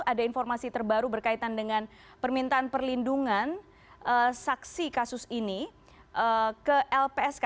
ada informasi terbaru berkaitan dengan permintaan perlindungan saksi kasus ini ke lpsk